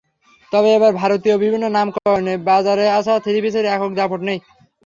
তবে এবার ভারতীয় বিভিন্ন নামকরণে বাজারে আসা থ্রি-পিসের একক দাপট নেই।